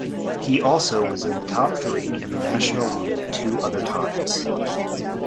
He also was in the top three in the National League two other times.